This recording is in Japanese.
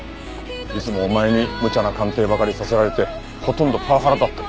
いつもお前にむちゃな鑑定ばかりさせられてほとんどパワハラだって。